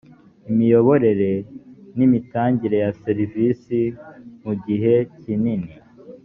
imiyoborere n imitangire ya serivisi mu gihe kinini